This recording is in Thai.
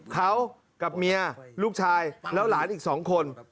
เขากับเมียลูกชายแล้วหลานอีก๒คน